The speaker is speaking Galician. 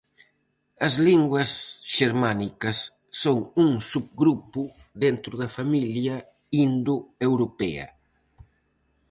As linguas xermánicas son un subgrupo dentro da familia indoeuropea.